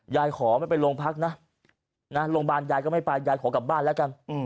ยายขอไม่ไปโรงพักนะโรงพยาบาลยายก็ไม่ไปยายขอกลับบ้านแล้วกัน